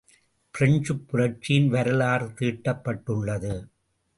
பிரெஞ்சுப் புரட்சியின் வரலாறு தீட்டப்பட்டுள்ளது.